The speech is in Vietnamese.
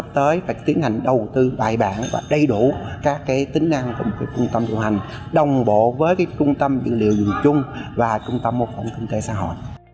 tới phải tiến hành đầu tư bài bản và đầy đủ các tính năng của một trung tâm điều hành đồng bộ với trung tâm dữ liệu dùng chung và trung tâm mô phỏng kinh tế xã hội